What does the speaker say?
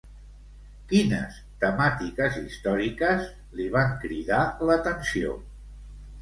Quines temàtiques històriques li van cridar l'atenció?